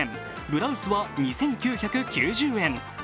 ブラウスは２９９０円。